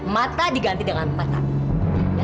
mata diganti dengan mata mama kamu ya